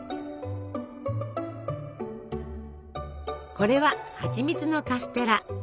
これははちみつのカステラ。